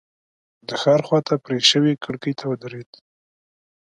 د ښار خواته پرې شوې کړکۍ ته ودرېد.